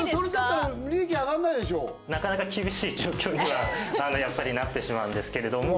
なかなか厳しい状況にはやっぱりなってしまうんですけれども。